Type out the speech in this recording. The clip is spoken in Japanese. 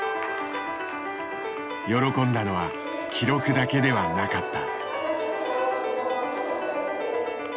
喜んだのは記録だけではなかった。